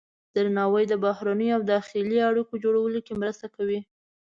درناوی د بهرنیو او داخلي اړیکو جوړولو کې مرسته کوي.